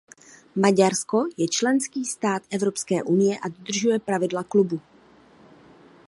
Maďarsko je členský stát Evropské unie a dodržuje pravidla klubu.